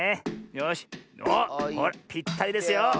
よしおっぴったりですよ。